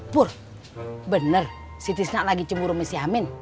pur bener si tisnak lagi cemburu miss amin